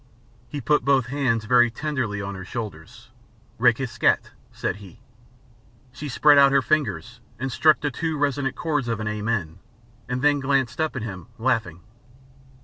He put both hands very tenderly on her shoulders. "Requiescat," said he. She spread out her fingers and struck the two resonant chords of an "Amen," and then glanced up at him, laughing.